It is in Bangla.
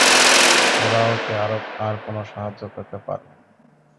ওরা ওকে আর কোনও সাহায্য করতে পারবে না।